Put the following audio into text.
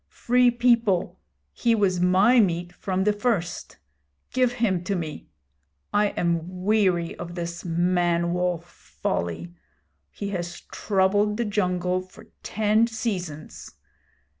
Free People, he was my meat from the first. Give him to me. I am weary of this man wolf folly. He has troubled the jungle for ten seasons.